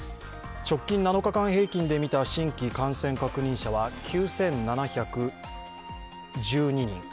直近７日間平均で見た新規感染確認者は９７１２人。